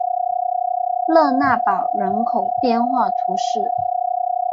勒讷堡人口变化图示